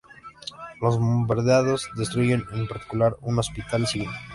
Los bombardeos destruyen, en particular, un hospital civil.